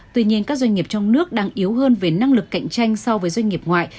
tuy nhiên các doanh nghiệp trong nước đang yếu hơn về năng lực cạnh tranh so với doanh nghiệp ngoại